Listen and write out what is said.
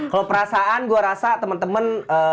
kalau perasaan gue rasa teman teman